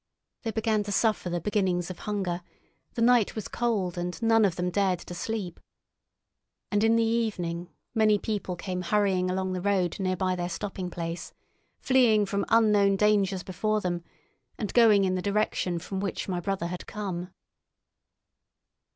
They began to suffer the beginnings of hunger; the night was cold, and none of them dared to sleep. And in the evening many people came hurrying along the road nearby their stopping place, fleeing from unknown dangers before them, and going in the direction from which my brother had come.